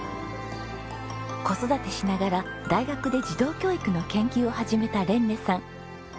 子育てしながら大学で児童教育の研究を始めたレンネさん。